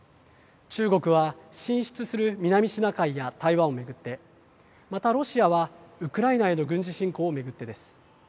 中国は進出する南シナ海や台湾を巡ってまた、ロシアはウクライナへの軍事侵攻を巡ってです。